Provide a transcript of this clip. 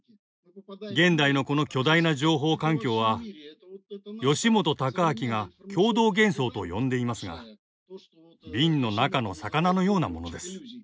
現代のこの巨大な情報環境は吉本隆明が共同幻想と呼んでいますが瓶の中の魚のようなものです。